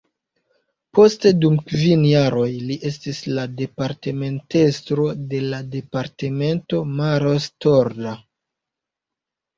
Poste dum kvin jaroj li estis la departementestro de la departemento Maros-Torda.